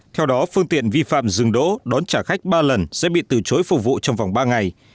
theo đó phương tiện vi phạm dừng đỗ đón trả khách ba lần sẽ bị từ chối phục vụ trong vòng ba ngày